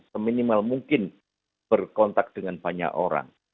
seminimal mungkin berkontak dengan banyak orang